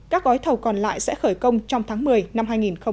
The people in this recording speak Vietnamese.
các gói thầu còn lại sẽ khởi công trong tháng một mươi năm hai nghìn hai mươi